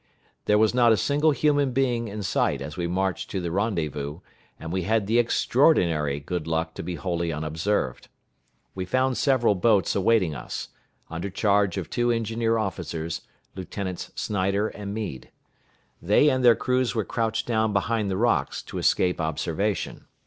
There was not a single human being in sight as we marched to the rendezvous, and we had the extraordinary good luck to be wholly unobserved. We found several boats awaiting us, under charge of two engineer officers, Lieutenants Snyder and Meade. They and their crews were crouched down behind the rocks, to escape observation.